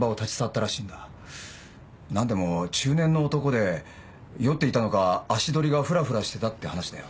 何でも中年の男で酔っていたのか足取りがフラフラしてたって話だよ。